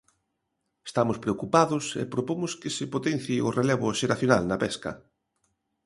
Estamos preocupados e propomos que se potencie o relevo xeracional na pesca.